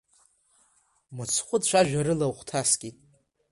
Мыцхәы цәажәарыла ухҭаскит…